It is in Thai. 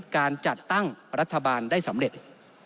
การจัดตั้งรัฐบาลได้สำเร็จ